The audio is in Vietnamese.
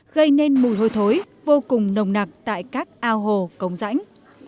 gây nên mùi hôi thối vô cùng nồng nạc tại các ao hồ cống sảnh